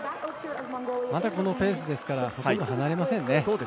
まだこのペースですからほとんど離れませんね。